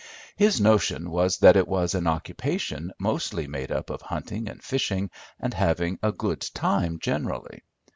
His notion was that it was an occupation mostly made up of hunting and fishing, and having a good time generally.